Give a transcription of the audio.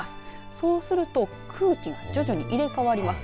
そうすると空気が徐々に入れ替わります。